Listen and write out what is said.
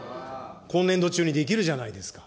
今年度中にできるじゃないですか。